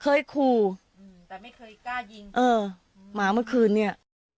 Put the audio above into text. เคยขู่อืมแต่ไม่เคยกล้ายิงเออหมาเมื่อคืนเนี้ย